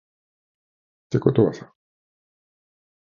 てことはさ